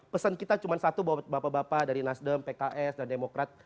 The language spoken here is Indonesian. pesan kita cuma satu bahwa bapak bapak dari nasdem pks dan demokrat